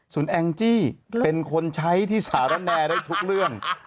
ส่วนแองจี้เป็นคนใช้ที่สารแนได้ทุกเรื่อง